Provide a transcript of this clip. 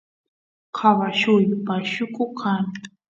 caballuy pashuku kan